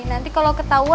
nanti kalo ketauan